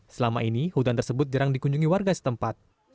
selama ini hutan tersebut jarang dikunjungi warga setempat